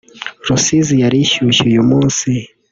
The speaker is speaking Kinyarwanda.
Rusizi yari ishyushye uyu munsi